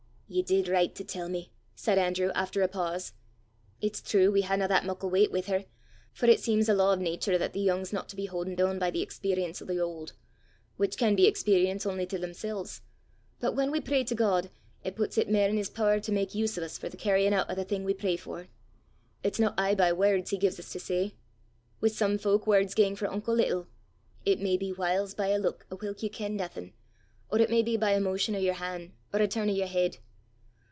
"Ye did richt to tell me," said Andrew, after a pause. "It's true we haena that muckle weicht wi' her, for it seems a law o' natur 'at the yoong 's no to be hauden doon by the experrience o' the auld which can be experrience only to themsel's; but whan we pray to God, it puts it mair in his pooer to mak use o' 's for the carryin' oot o' the thing we pray for. It's no aye by words he gies us to say; wi' some fowk words gang for unco little; it may be whiles by a luik o' whilk ye ken naething, or it may be by a motion o' yer han', or a turn o' yer heid.